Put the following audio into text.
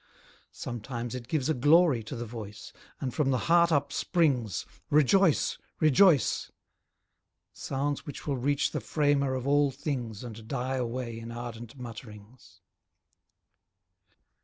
Sometimes it gives a glory to the voice, And from the heart up springs, rejoice! rejoice! Sounds which will reach the Framer of all things, And die away in ardent mutterings.